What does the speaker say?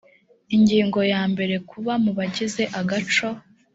ingingo ya mbere kuba mu bagize agaco